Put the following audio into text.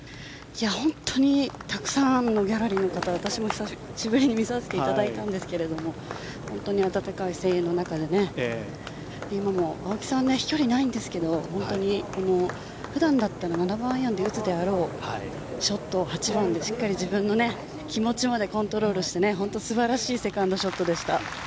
本当にたくさんのギャラリーの方久しぶりに見させていただいたんですが本当に温かい声援の中でね今も青木さんは飛距離がないんですが本当に普段だったら７番アイアンで打つでだろうショットを８番でしっかり自分の気持ちまでコントロールして本当に素晴らしいセカンドショットでした。